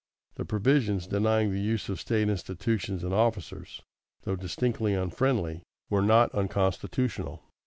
The provisions denying the use of State institutions and officers, though distinctly unfriendly, were not unconstitutional.